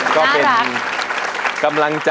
ก็เป็นกำลังใจ